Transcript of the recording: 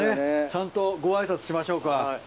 ちゃんとご挨拶しましょうか。